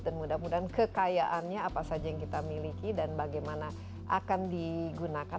dan mudah mudahan kekayaannya apa saja yang kita miliki dan bagaimana akan digunakan